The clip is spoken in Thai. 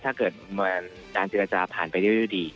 ถ้าเกิดจริงจริงจะผ่านไปเรื่อยดี